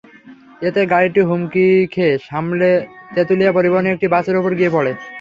এতে গাড়িটি হুমড়ি খেয়ে সামনের তেঁতুলিয়া পরিবহনের একটি বাসের ওপর গিয়ে পড়ে।